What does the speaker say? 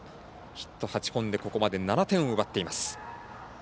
ヒット８本でここまで７点を奪っています。